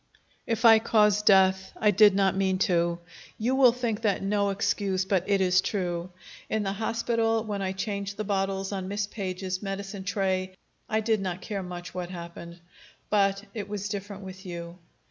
"If I caused death, I did not mean to. You will think that no excuse, but it is true. In the hospital, when I changed the bottles on Miss Page's medicine tray, I did not care much what happened. But it was different with you.